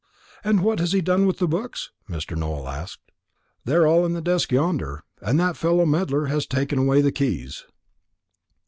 "And what has he done with the books?" Mr. Nowell asked. "They're all in the desk yonder, and that fellow Medler has taken away the keys."